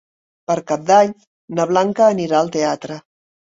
Per Cap d'Any na Blanca anirà al teatre.